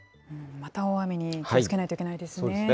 また大雨に気をつけないといけないですね。